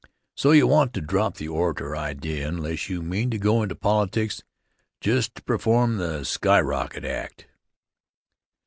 So you want to drop the orator idea unless you mean to go into politics just to perform the skyrocket act.